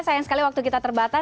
sayang sekali waktu kita terbatas